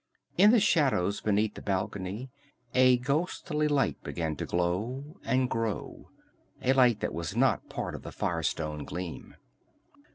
In the shadows beneath the balcony a ghostly light began to glow and grow, a light that was not part of the fire stone gleam.